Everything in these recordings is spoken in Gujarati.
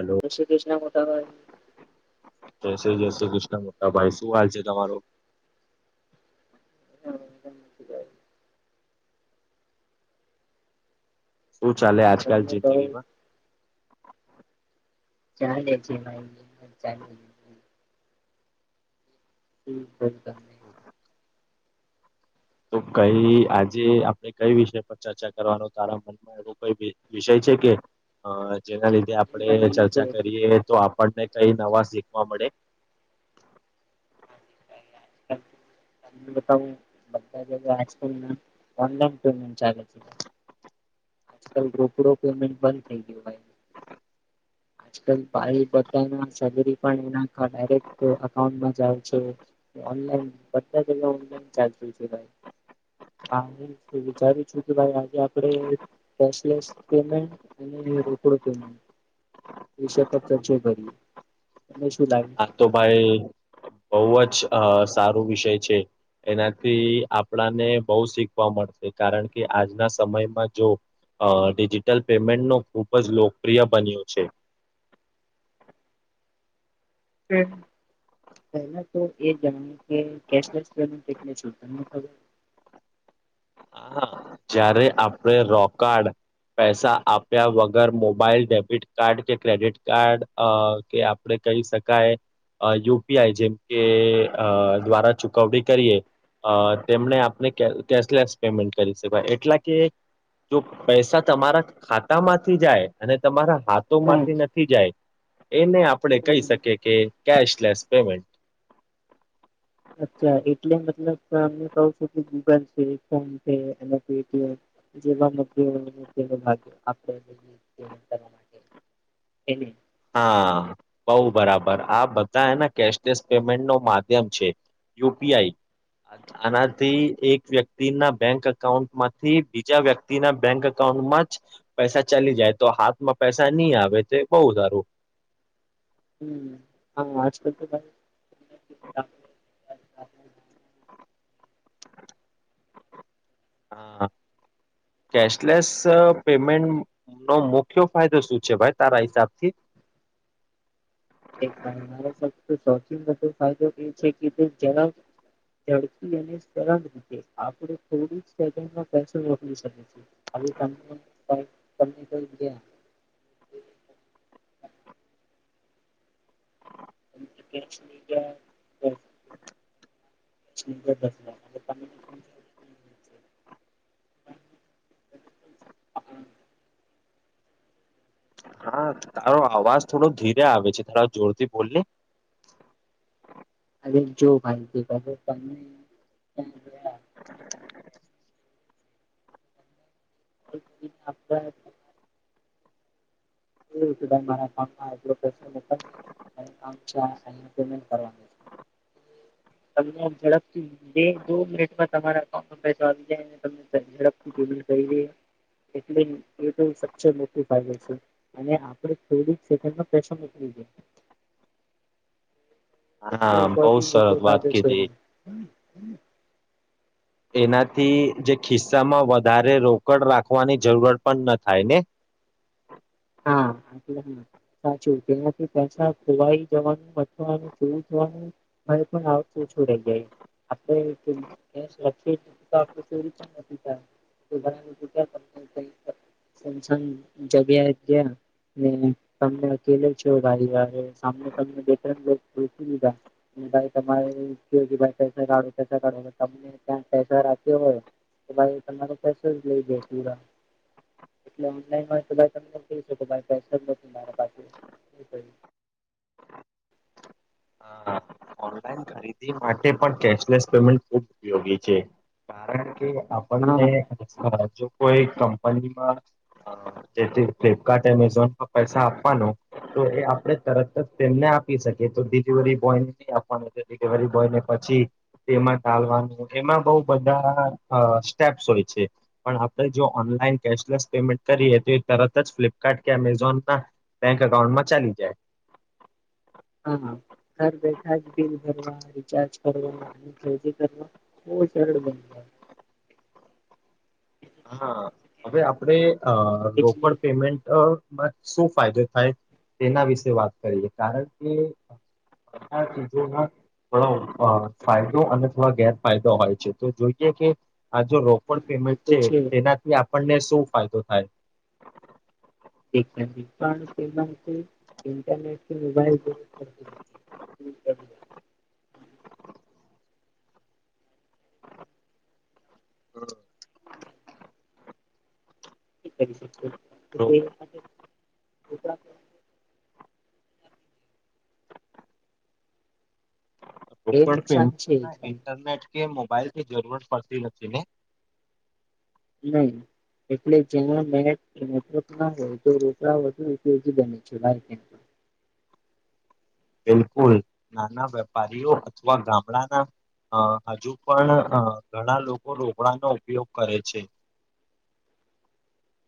હલો ઋષિકૃષ્ ના મોટા ભાઈ જશે જશે કૃષ્ણ મોા ભાઈ શું હાલ છે, તમારો શું ચાલે આજકાલ તમને કહો જિંદગીમાં ચાલે હમ્મ તહી તો કઈ આજે આપડે કઈ વિષય પર ચર્ચા કરવાનો તારા મનમાં એવું કઈ વિષય જેના લીધે આપણે ભાઈ તો ચર્ચા કરીએ, તો આપણને કઈ નવા શીખવા મળે? હમ્મ બતા બધા જ આજલ ઓનલાન પેમેન્ટ ચાલે છે, આજકાલ રોપડો પેમેન્ટ બંધ થઈ ગયયો ભાઈ આજલ ભ બધા સેલરી પણ એના ડાયરેક્ટ અઉમાં જા છ ઓનલાઈન બધા પલા ઓનલાઈન ચાલ ભાઈ હા હ વિચારી છું કે ભાઈ આજે આપણે કેશલેસ પેમેન્ટ અને એશિયા કપ જ ભરીએ, આ તો ભાઈ બહુ જ સારું વિષય છે, એનાથી આપણાને બહ શીખવા મળશે. કારણ કે આજના સમયમાં જો અ ડિજિટલ પેમેન્ટનું ખૂબ જ લોકપ્રિય બન્યું છે, [unintelligible] હમ્મ પહેલા તો એ જાણ કે કેશલેસ પેમે એટ ખબર [unintelligible] હા હા જયારે આપડ રોકારડ પૈસા આપ્યા વગર મોબાઈલ ડેબિટ કાર્ડ કે ક્રેડિટ કાર્ડ કે આપણે કરી શકાય યુપીઆઈ જેમ કે દ્વારા ચુકવણી કરીએ અ તેમણે આપને કેશલેસ પેમેન્ટ કરી શકાય, એટલા કે જો પૈસા તમારા ખાતા માંથી જાય અને તમારા હાથ ના. માંથી નથી જાય એને આપણે કહી હમ. શકીએ કે કશલેસ પેમેન્ટન્ટ અચ્છા એટલે મતલબ અમને કહ છું કે ગૂગલ છે ફોન છે અને પેટીએમ [unintelligible] હા બઉ બરાબર આ બધા એના કેશલેસ પેમેન્ટ નો માધ્યમ છે. યુ પી આઈ આનાથી એક વ્યક્તિ ના બેંક અકાઉન્ટ માંથી બીજા વ્યક્તિના બેંક અકાઉ જ પૈસા ચાલી જાય તો હાથમાં પૈસા નહી આવે તે બહુ સારું હમ્મ હા આજ કાલ [unintelligible] હા કેશલેસ પેમેન્ટનો મુખ્ય ફાયદો શું છે ભાઈ તારા હિસાબથી [unintelligible] થી ફાયદો એ છે કે તે જ ઝડકી અને સરળ રીતે આપણે થોડી સે મોકલી શકી. [unintelligible] [inaudible] [inaudible] [unintelligible] [inaudible] હા તારો અવાજ થોડો ધીરે આવે છે તારા જોરથી બોલને. [inaudible] જો ભાઈ ગયા અને તમને [inaudible] [unintelligible] [inaudible] તમને ઝડપથી બે દો મિનિટમાં તમારા અઉન્ટમાં પસો આવી જાય તમને ઝડપથી જો એટલે [unintelligible] છે. [unintelligible] હા બહુ [unintelligible] લોકો સરસ વાત ફાયદો છે કીધી એને. એનાથી જે ખિસ્સામાં વધારે રોકડ રાખવાની જરૂરત પણ ન થાય ને? હા. [unintelligible] [unintelligible] [unintelligible] સેમસંગ જગ્યા. [unintelligible] [unintelligible] [unintelligible] તો ભાઈ તમારો પૈસ જ લઈ દે પૂરા એટલે ઓનલાઈન હોય તો ભાઈ તમને. [unintelligible] ઓનલાઈન ખરીદી માટે પણ કેશલેસ પેમેન્ટ ખૂબ ઉપયોગી છે. કારણ કે આપણને હા જો કોઈ કંપનીમાં જેથી ફ્લિપકાર્ટ એમેઝોન પર પૈસા આપવાનો તો એ આપડણે તરત જ તેમના આપી શકી તો ડિલિવરી બોયને નહી આપવાનું ડિલિવરી બોય ને પછી તેમાં ટાલવાનું એમાં બહ બધા સ્ટેપ્સ હોય છે પણ આપે જો ઓન લાઈન કેશલેસ પેમેન્ટ કરીએ તો એ તરત જ ફ્લિપકાર્ટ કે અમેઝોન ના બેંક એકકાઉન્ટમાં ચાલી જાય. [inaudible] હા ઘર બેઠા જ બિલ ભરવા રિચાર્જ કરવા ફરજી કરવા બો શરડ બન્યા. હા હવે આપણે અ બીજલી રોકડ પેમેન્ટ અ માં શું ફાયદો થાય તેના વિશે વાત કરીએ કારણ કે. [unintelligible] થો ફાયદો અને થોો ગેરફાયદો હોય છે તો જોઈએ કે આ જો હા રોકડ એ પેમેન્ટ તો છે તેનાથી આપણને શું ફાયદો થાય. પણ તેના તે ઇન્ટરનેટ કે મોબાઈલ કરતી નથી. [inaudible] હમ્મ. કરી રો- સકે તે એ નુકસાન [unintelligible] છે ઇન્ટરનેટ કે મોબાઈલ થી જરૂરત પડતી નથી ને. નહી એટલે જે ના હોય તો રોકડા વધુ. [unintelligible] બિલકુલ નાના વેપારીઓ અથવા ગામડાના અ હજુ પણ અ ઘણા લોકો રોપડાનો ઉપયોગ કરે છે.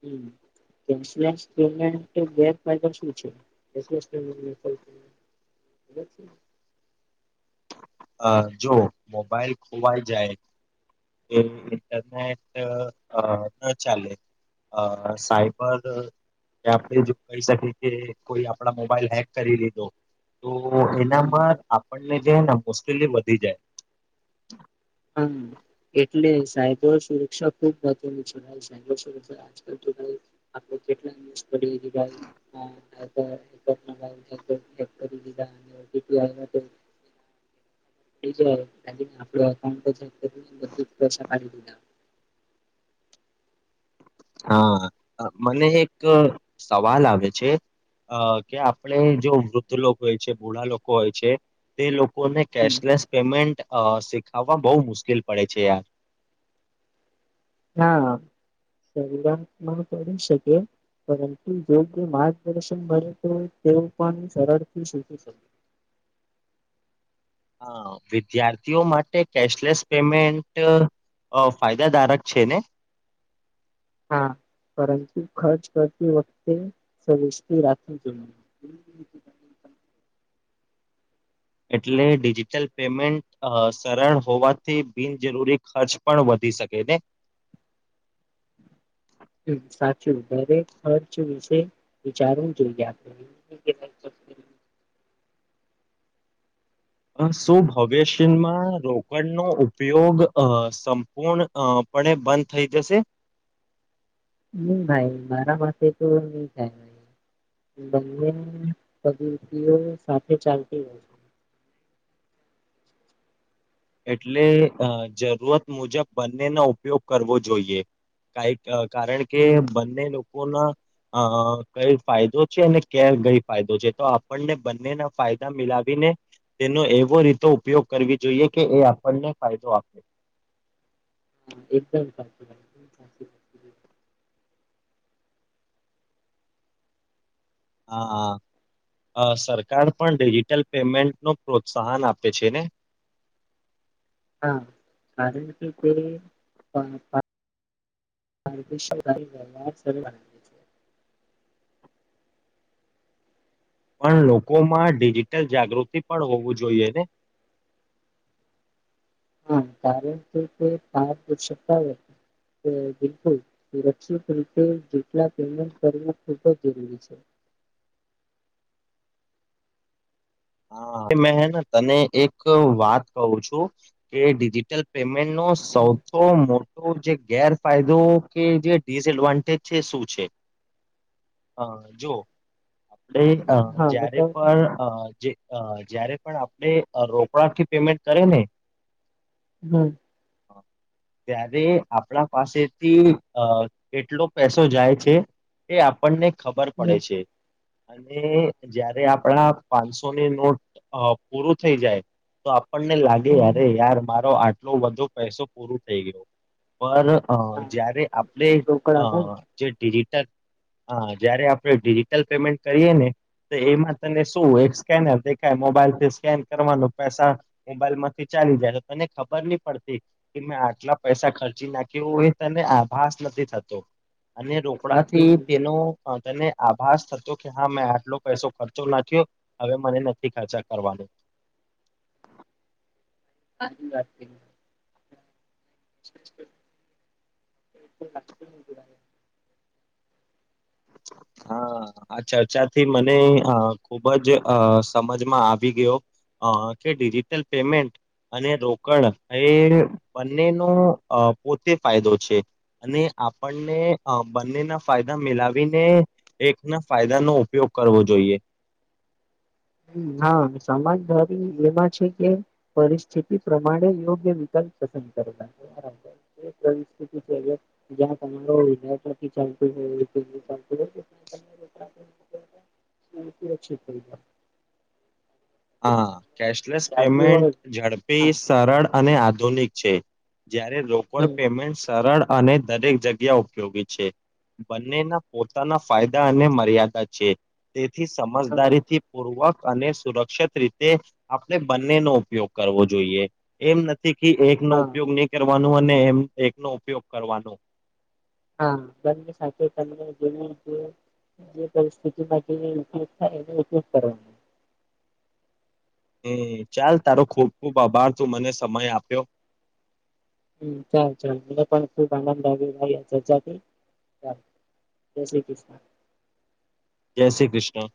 હમ્મ. દ [inaudible] [unintelligible] અ જો મોબાઈલ ખોવાઈ જાય, એ ઇન્ટરનેટ અ ન ચાલે, અ સાઈબર કે આપણે જો કહી શકીએ કે કોઈ આપણા મોબાઈલ હેક કરી લીધો, તો હમ એનામાં આપણને જે મુશ્કેલી વધી જાય હમ્મ એટલે સાયબર સુરક્ષા ખુબ મહત્વની સાયબર સુરક્ષા આકાલ તો. [unintelligible] [unintelligible] [unintelligible] [unintelligible] હા, મને એક સવાલ આવે છે. અ કે આપણે જો વૃદ્ધ લોકો હોય છે ભોળ લોકો હોય છે, તે લોકો કોને હમ. કેશલેસ પેમેન્ટ અ શીખવા બહુ મુશ્કેલ પડે છે, યાર હા તો [inaudible] શકીએ પરંતુ યોગ્ય માર્ગદર્શન મળરે તો તેવું પણ સરળથી સધી શ [inaudible] હા, વિદ્યાર્થીઓ માટે કેશલેસ પેમેન્ટ અ ફાયદાદારક છે ને? હા પરંતુ ખર્ચ કરતી વખતે રાખવી જોઈએ, [inaudible] એટલે ડિજિટલ પેમેન્ટ સરળ હોવાથી બિનજરૂરી ખર્ચ પણ વધ શકે ને, [inaudible] સાચું દરેક ખર્ચ વિશે વિચારવું જોઈએ, આપણે [inaudible] શું ભવિષ્યમાં રોકડનોો ઉપયોગ અ સંપૂર્ણ પણ એ બંધ થઈ જશે? હમ્મ ભાઈ મારા પાસે તો નહી, થાય ભ બંને પ્રવતિઓ સાથે ચાલતી હોય છે, એટલે જરૂરત મુજબ બંનેનો ઉપયોગ કરવો જોઈએ, કઈક કારણ કે હમ બંને લોકો ના કઈ ફાયદો છે, અને ક કઈ ફાયદો છે તો આપણને બંનેના ફાયદા મિલાવીને તેનો એવો રીતે ઉપયોગ કરવી જોઈએ, કે એ આપણને ફાયદો આપે. હા, એકદમ સાચું સાચી હા હા સરકાર પણ ડિજિટલ પેમેન્ટનું પ્રોત્સાહન આપે છે, ને હા, કારણ કે [unintelligible] પણ લોકોમાં ડિજિટલ જાગૃતિ પણ હોવું જોઈએ, ને હા, કારણ કે તે ફાર દૂ શકતા હો. બિલકુલ સુરક્ષિત રીતે જેટલા પેમેન્ટ કરવું ખૂબ જ જરૂરી છે, [inaudible] મે તને એક વાત કું છું કે ડિજિટલ પેમેન્ટ ન હમ, સૌ મોટો જે ગેરફાયદો કે જે ડિસએડવાન્ટેજ છે શું છે? અ જો આપણે હા જયારે બતાવ તો. પણ અ જે અ જયારે પણ આપણે રોકડા થી પેમેન્ટ કરે ને હમ્મ. ત્યારે આપણા પાસેથી અ કેટલો પૈસો જાય છે એ આપણને ખબર પડે હમ છે અને જયારે આપણા પાંચ સો ની નોટ પૂર થઈ જાય તો આપણને લાગે હમ. યાર મારો આ એટલો વધો પૈસો પૂરો થઈ ગયો. પણ હવે અ હા જયારે આપણે રોકડા અ હા જે [unintelligible] હા જયારે આપણે ડિજિટલ પેમેન્ટ કરીએ ને તો એમાં તને શું હમ દેખાય મોબાઈલ થી સ્કેન કરવાનું પૈસા મોબાઈલમાંથી ચાલી જાય તો તને ખબર નહી પડતી. કે મેં આટલા પૈસા ખર્ચી નાખ્યો એ તને આભાસ નથી થતો અને રોક કડાથી હમ. તેનો તેને આભાસ થતો કે હા મેં આટલો પૈસો ખર્ચો નાખયો. હવે મને નથી ખર્ચા કરવાનો [inaudible] વાત થેલી. [inaudible] હા આ ચર્ચાથી મને અ ખુબ જ અ સમજમાં આવી ગયો અ કે ડિજિટલ પેમેન્ટ અને રોકડ એ બંનેનું પોતે ફાયદો છે અને આપણને અ બંનેના ફાયદા મિલાવીને એક ના ફાયદા નો ઉપયોગ કરવો જોઈએ. હા, સમાજદારી એમાં છે કે પરિસ્થિતિ પ્રમાણે યોગ્ય વિક [unintelligible] [unintelligible] હા, કેશલેસ ચાલતું પેમેન્ટ હોય ઝડપી, હા સરળ અને આધુનિક છે. જયારે રોકડ હમ પેમેન્ટ સરળ અને દરેક જગ્યા ઉપયોગી છે. બંનેના પોતાના ફાયદા અને મર્યાદા છે. તે થી હા સમજદારીથી પૂર્વક અને સુરક્ષિત રીતે આપણે બંનેનો ઉપયોગ કરવો જોઈએ. એમ નથી કે એકનો હા ઉપયોગ નહી કરવા વાનો અને એકનો ઉપયોગ કરવાનો. હા બને સાથે [unintelligible] જે પરિસ્થિતિમાં જે ઉપયોગ થાય એનો ઉપયોગ કરવાનો. હમ્મ, ચાલ તારો ખૂબ ખૂબ આભાર તું મને સમય આપ્યો. હમ્મ, ચાલ ચાલ મને પણ ખુબ આનંદ આવ્યો ચર્ચા થઈ. જય શ્રી કૃષ્ણ. જય શ્રી કૃષ્ણ.